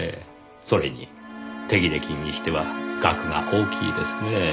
それに手切れ金にしては額が大きいですねぇ。